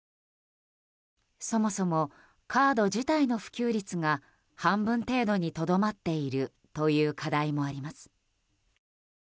そもそもカード自体の普及率が半分程度にとどまっているという課題もあります。